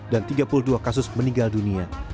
dan tiga puluh dua kasus meninggal dunia